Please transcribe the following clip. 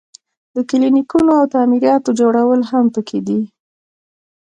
د کلینیکونو او تعمیراتو جوړول هم پکې دي.